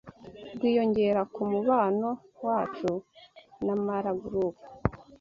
rwiyongera ku mubano wacu na Mara Group